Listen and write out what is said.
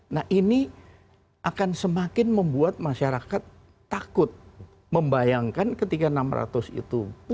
nah ini akan semakin membuat masyarakat takut membayangkan ketika enam ratus itu